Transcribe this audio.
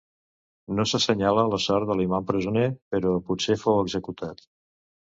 No s'assenyala la sort de l'imam presoner, però potser fou executat.